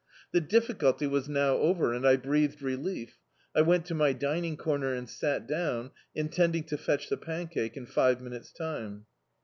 The difficulty was now over and I breathed relief. I went to my dining comer and sat down, intending to fetch the pancake in five minutes time.